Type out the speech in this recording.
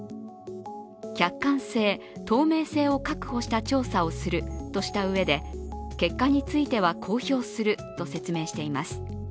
客観性・透明性を確保した調査をするとしたうえで結果については公表すると説明しています。